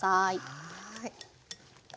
はい。